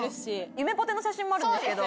ゆめぽての写真もあるんですけど。